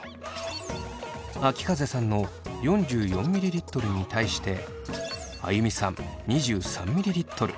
あきかぜさんの４４ｍｌに対してあゆみさん２３ｍｌ。